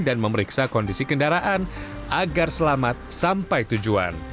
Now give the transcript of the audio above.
dan memeriksa kondisi kendaraan agar selamat sampai tujuan